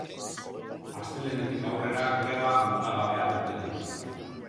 Astelehenetik aurrera greba mugagabea dute deituta.